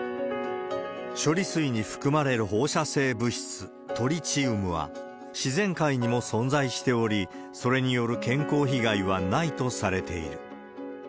処理水に含まれる放射性物質、トリチウムは、自然界にも存在しており、それによる健康被害はないとされている。